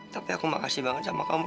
tapi aku makasih banget sama kamu